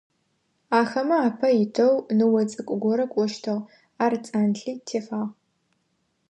Ахэмэ апэ итэу ныо цӀыкӀу горэ кӀощтыгъ, ар цӀанлъи тефагъ.